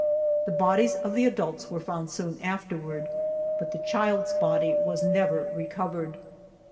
The bodies of the adults were found soon afterward, but the child's body was never recovered.